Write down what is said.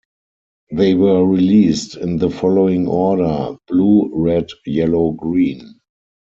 They were released in the following order: Blue, Red, Yellow, Green.